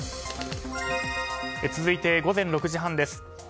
続いて午前６時半です。